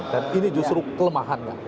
dan ini justru kelemahannya